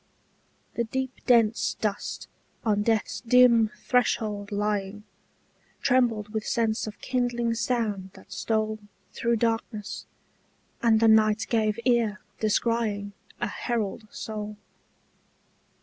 The deep dense dust on death's dim threshold lying Trembled with sense of kindling sound that stole Through darkness, and the night gave ear, descrying A herald soul.